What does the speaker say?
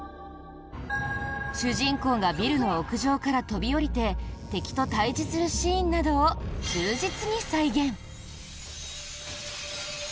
主人公がビルの屋上から飛び降りて敵と対峙するシーンなどを忠実に再現。